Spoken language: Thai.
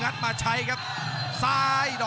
คมทุกลูกจริงครับโอ้โห